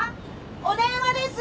お電話です。